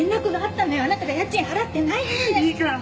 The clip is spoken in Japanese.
いいから！